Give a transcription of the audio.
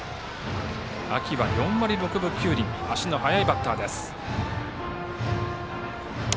秋は４割６分９厘足の速いバッターです。